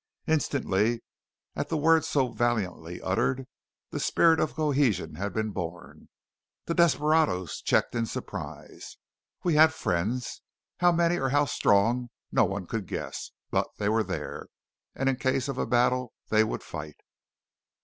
Instantly, at the words so valiantly uttered, the spirit of cohesion had been born. The desperadoes checked in surprise. We had friends. How many or how strong no one could guess; but they were there, and in case of a battle they would fight.